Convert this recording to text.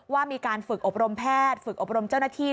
ว่ามีการฝึกอบรมแพทย์ฝึกอบรมเจ้าหน้าที่